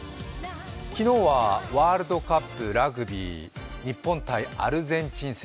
昨日はワールドカップラグビー日本×アルゼンチン戦。